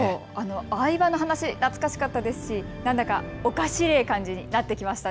藍葉の話、懐かしかったですしなんだか、おかしれえ感じになってきましたね。